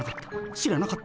知らなかった。